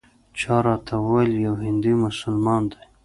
چا راته وویل یو هندي مسلمان دی.